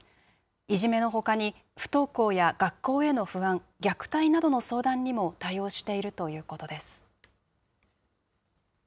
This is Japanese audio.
いじめのほかに不登校や学校への不安、虐待などの相談にも対応しているということです。